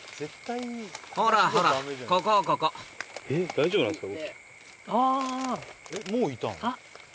大丈夫なんですか？